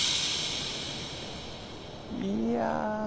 いや。